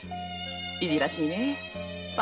いじらしいねえ。